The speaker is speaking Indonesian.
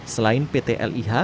selain pt lih